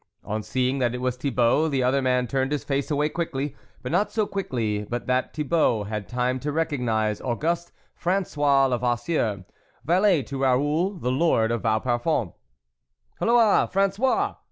On seeing that it was Thibault, the other man turned his face away quickly, but not so quickly but that Thibault had time to recognise Auguste Frangois Levasseur, valet to Raoul the Lord of Vauparfond. " Halloa ! Frangois